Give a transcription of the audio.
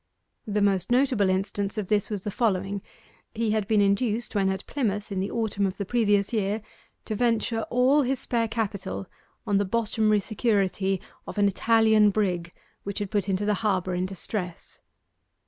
The most notable instance of this was the following. He had been induced, when at Plymouth in the autumn of the previous year, to venture all his spare capital on the bottomry security of an Italian brig which had put into the harbour in distress.